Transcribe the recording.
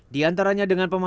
di antaranya dengan pemadatan